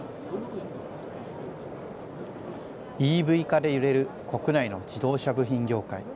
ＥＶ化で揺れる国内の自動車部品業界。